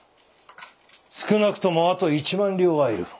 少なくともあと１万両は要る。